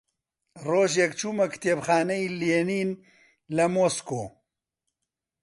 ڕۆژێک چوومە کتێبخانەی لێنین لە مۆسکۆ